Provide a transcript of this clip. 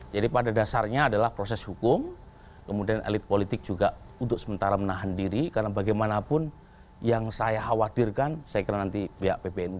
jadi pada dasarnya adalah proses hukum kemudian elit politik juga untuk sementara menahan diri karena bagaimanapun yang saya khawatirkan saya kira nanti pihak bpnu bisa menambah